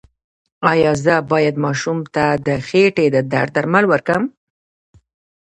ایا زه باید ماشوم ته د خېټې د درد درمل ورکړم؟